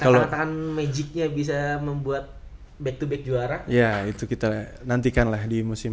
kalau magicnya bisa membuat back to back juara ya itu kita nantikan lah di musim